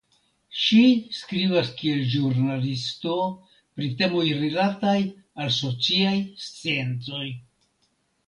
Ŝi skribas kiel ĵurnalisto pri temoj rilataj al sociaj sciencoj.